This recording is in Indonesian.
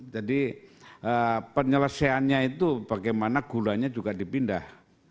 jadi penyelesaiannya itu bagaimana gulanya juga dipindah